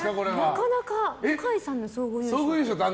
なかなか向井さんの総合優勝。